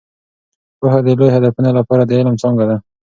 پوهه د لوی هدفونو لپاره د علم څانګه ده.